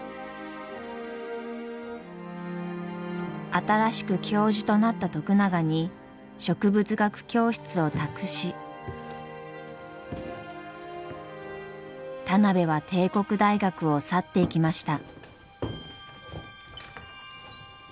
新しく教授となった徳永に植物学教室を託し田邊は帝国大学を去っていきました。